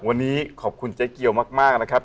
วันนี้ขอบคุณเจ๊เกียวมากนะครับ